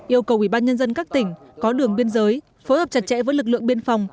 yêu cầu ủy ban nhân dân các tỉnh có đường biên giới phối hợp chặt chẽ với lực lượng biên phòng